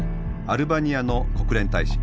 アルバニアの国連大使。